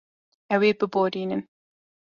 Ew ê biborînin.